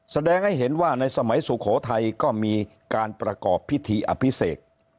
แสดงให้เห็นว่าในสมัยสุโขทัยก็มีการประกอบพิธีอภิเษก